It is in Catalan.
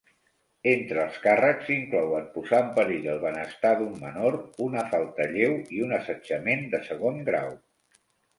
Entre els càrrecs s'inclouen, posar en perill el benestar d'un menor, una falta lleu i un assetjament de segon grau.